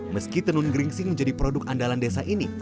meski tenun geringsing menjadi produk andalan desa ini